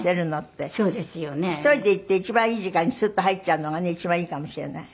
１人で行って一番いい時間にスッと入っちゃうのがね一番いいかもしれない。